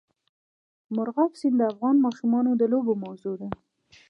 مورغاب سیند د افغان ماشومانو د لوبو موضوع ده.